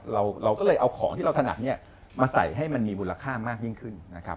เราก็เลยเอาของที่เราถนัดเนี่ยมาใส่ให้มันมีมูลค่ามากยิ่งขึ้นนะครับ